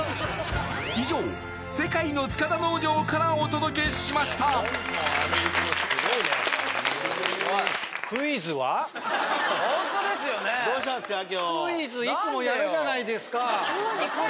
以上世界の塚田農場からお届けしましたどうしたんですか今日なんでよ高いから？